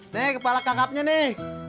nih kepala kakapnya nih